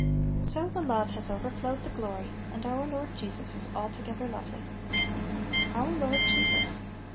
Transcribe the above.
So the love has overflowed the glory , and our Lord Jesus is " altogether lovely." Our Lord Jesus!